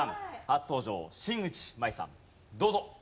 初登場新内眞衣さんどうぞ。